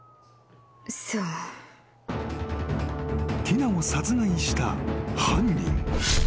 ［ティナを殺害した犯人］